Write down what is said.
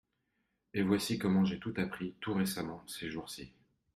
Et voici comment j'ai tout appris, tout récemment, ces jours-ci.